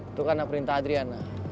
itu karena perintah adriana